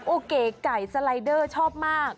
โอเคไก่สไลเดอร์ชอบมาก